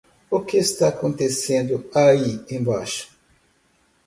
O que está acontecendo aí embaixo?